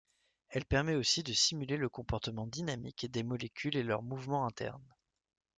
Elle permet aussi de simuler le comportement dynamique des molécules et leur mouvements internes.